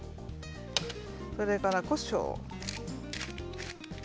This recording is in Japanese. それから、こしょう。